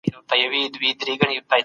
سفیران ولي د ماشومانو حقونه پلي کوي؟